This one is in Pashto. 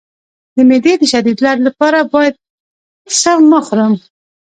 د معدې د شدید درد لپاره باید څه مه خورم؟